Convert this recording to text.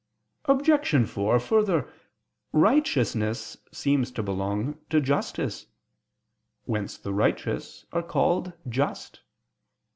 Obj. 4: Further, righteousness seems to belong to justice; whence the righteous are called just.